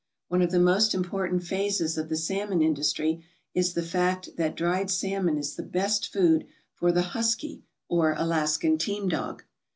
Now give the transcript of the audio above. One of the most important phases of the salmon industry is the fact that dried salmon is the best food for the " husky/' or Alaskan team dog.